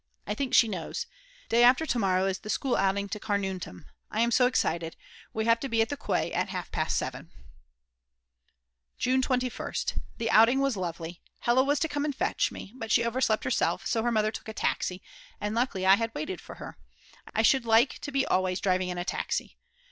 I think she knows. Day after tomorrow is the school outing to Carnuntum. I am so excited. We have to be at the quay at half past 7. June 21st. The outing was lovely. Hella was to come and fetch me. But she overslept herself, so her mother took a taxi; and luckily I had waited for her. I should like to be always driving in a taxi.